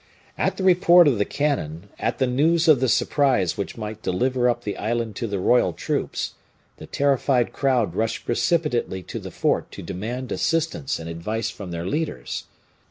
At the report of the cannon, at the news of the surprise which might deliver up the island to the royal troops, the terrified crowd rushed precipitately to the fort to demand assistance and advice from their leaders.